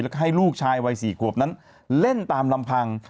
แล้วก็ให้ลูกชายวัย๔ขวบนั้นเล่นตามลำพัง